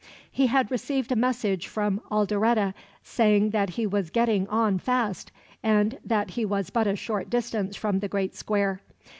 He had received a message from Alderete saying that he was getting on fast, and that he was but a short distance from the great square.